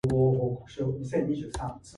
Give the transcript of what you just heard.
Gates is now a pig farmer.